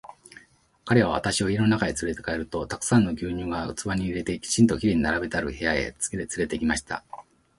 彼は私を家の中へつれて帰ると、たくさんの牛乳が器に入れて、きちんと綺麗に並べてある部屋へつれて行きました。